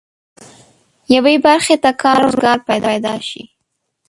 یوې برخې ته کار روزګار پيدا شي.